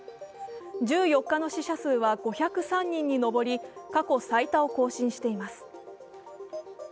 １４日の死者数は５０３人に上り、過去最多を更新しています。